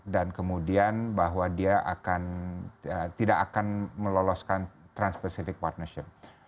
dan kemudian bahwa dia tidak akan meloloskan trans pacific partnership